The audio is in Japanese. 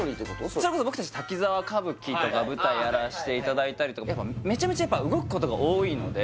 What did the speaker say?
それこそ僕達滝沢歌舞伎とか舞台やらせていただいたりとかめちゃめちゃやっぱまあシンプルにマジで！？